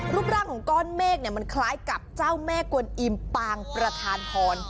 รูปร่างของก้อนเมฆมันคล้ายกับเจ้าแม่กวนอิมปางประธานพร